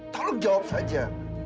tolong jawab saja